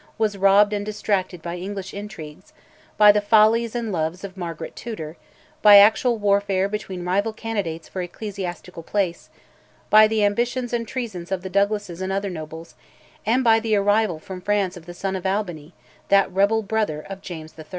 was robbed and distracted by English intrigues; by the follies and loves of Margaret Tudor; by actual warfare between rival candidates for ecclesiastical place; by the ambitions and treasons of the Douglases and other nobles; and by the arrival from France of the son of Albany, that rebel brother of James III.